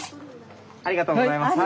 ありがとうございます。